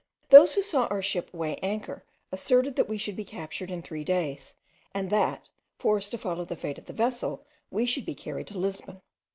Those who saw our ship weigh anchor asserted that we should be captured in three days, and that, forced to follow the fate of the vessel, we should be carried to Lisbon.